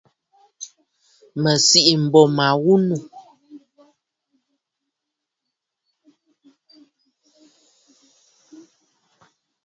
Mə̀ sìʼî m̀bô ma ghu nû.